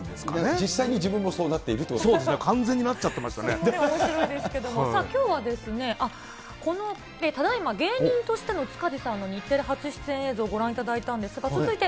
実際に自分もそうなっているそうですね、完全になっちゃおもしろいですけれども、さあ、きょうはですね、あっ、この、ただいま芸人としての塚地さんの日テレ初出演映像をご覧いただいたんですが、続いて